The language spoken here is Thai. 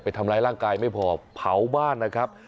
ทำร้ายร่างกายไม่พอเผาบ้านนะครับ